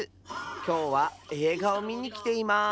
きょうはえいがをみにきています。